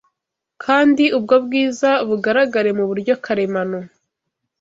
kandi ubwo bwiza bugaragare mu buryo karemano